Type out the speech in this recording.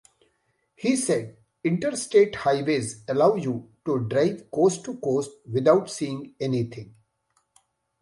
He said, "Interstate highways allow you to drive coast to coast, without seeing anything".